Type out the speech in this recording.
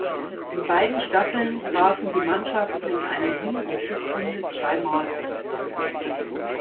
In beiden Staffeln trafen die Mannschaften in einer Hin- und Rückrunde zweimal aufeinander.